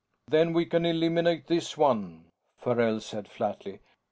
"Then we can eliminate this one now," Farrell said flatly.